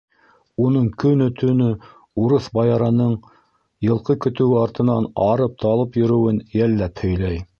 Уның көнө-төнө урыҫ баярының йылҡы көтөүе артынан арып-талып йөрөүен йәлләп һөйләй.